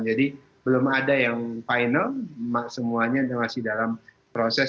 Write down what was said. jadi belum ada yang final semuanya masih dalam proses